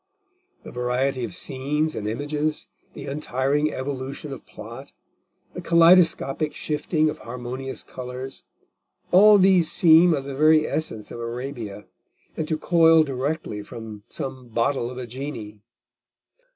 The variety of scenes and images, the untiring evolution of plot, the kaleidoscopic shifting of harmonious colours, all these seem of the very essence of Arabia, and to coil directly from some bottle of a genie.